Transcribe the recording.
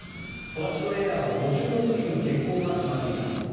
ソラシドエアは５６便の欠航が決まっています。